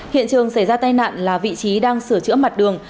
hiện trường xảy ra tai nạn là vị trí đang sửa chữa mặt đường